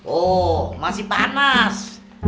oh masih panas